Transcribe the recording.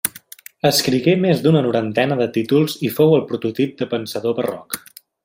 Escrigué més d'una norantena de títols i fou el prototip de pensador barroc.